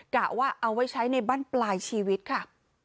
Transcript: กะว่าเอาไว้ใช้ในบ้านปลายชีวิตค่ะ